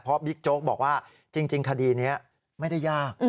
เพราะบิ๊กโจ๊กบอกว่าจริงคดีนี้ไม่ได้ยาก